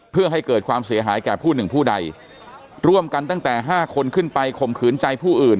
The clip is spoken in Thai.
เพื่อให้เกิดความเสียหายแก่ผู้หนึ่งผู้ใดร่วมกันตั้งแต่ห้าคนขึ้นไปข่มขืนใจผู้อื่น